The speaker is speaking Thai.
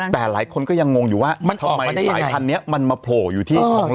แต่หลายคนก็ยังงงอยู่ว่ามันออกมาได้ยังไงทำไมสายพันธุ์เนี้ยมันมาโผล่อยู่ที่ทองรอ